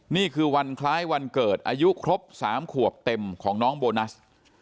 นี่คือวันคล้ายวันเกิดอายุครบ๓ขวบเต็มของน้องโบนัส